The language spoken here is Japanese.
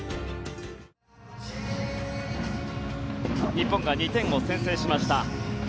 日本が２点を先制しました。